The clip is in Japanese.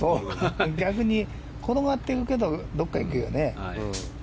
逆に転がっていったほうがどこかいくよね。